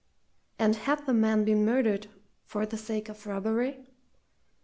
And had the man been murdered for the sake of robbery?